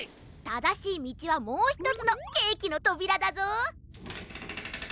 ただしいみちはもうひとつのケーキのとびらだぞ。